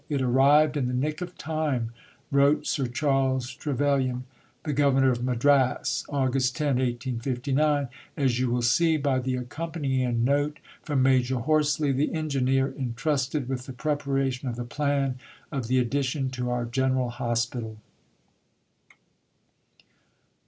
"It arrived in the nick of time," wrote Sir Charles Trevelyan, the Governor of Madras (Aug. 10, 1859), "as you will see by the accompanying note from Major Horsley, the engineer entrusted with the preparation of the plan of the addition to our General Hospital."